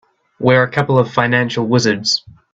We're a couple of financial wizards.